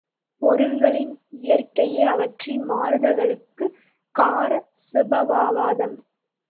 பொருள்களின் இயற்கையே அவற்றின் மாறுதல்களுக்குக் கார சுபாவவாதம்.